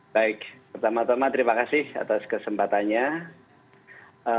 baik pertama tama terima kasih atas kesempatannya